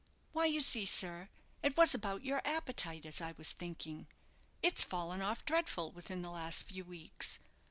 "Why you see, sir, it was about your appetite as I was thinking. It's fallen off dreadful within the last few weeks.